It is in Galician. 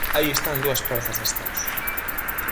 Aí están dúas prazas de ascenso.